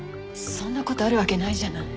そんな事あるわけないじゃない。